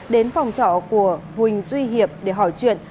đến phòng trọ của huỳnh duy hiệp để hỏi chuyện